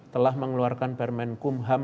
telah mengeluarkan permen kumham